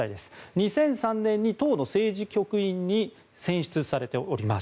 ２００３年に党の政治局員に選出されております。